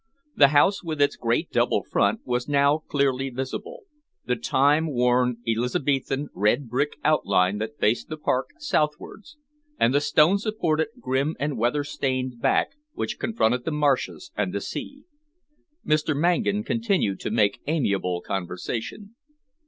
The house, with its great double front, was now clearly visible the time worn, Elizabethan, red brick outline that faced the park southwards, and the stone supported, grim and weather stained back which confronted the marshes and the sea. Mr. Mangan continued to make amiable conversation.